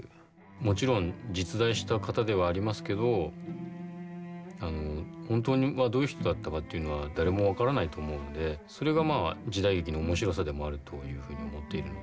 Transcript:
もちろん実在した方ではありますけど本当はどういう人だったかっていうのは誰も分からないと思うんでそれがまあ時代劇の面白さでもあるというふうに思っているんで